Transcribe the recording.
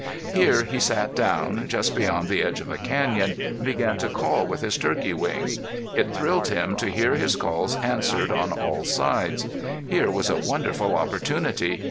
Here he sat down, just beyond the edge of a canyon, and began to call with his turkey wing. It thrilled him to hear his calls answered on all sides. Here was a wonderful opportunity.